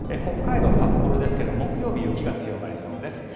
北海道、札幌ですが木曜日、雪が強まりそうです。